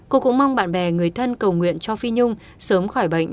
cô cũng mong bạn bè người thân cầu nguyện cho phi nhung sớm khỏi bệnh